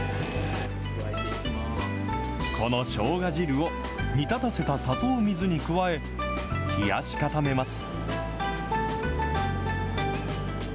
そのしょうが汁を、煮立たせた砂糖水に加え、冷やし固めます。